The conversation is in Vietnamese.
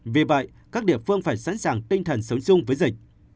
vì vậy các địa phương phải sẵn sàng tinh thần sống chung với dịch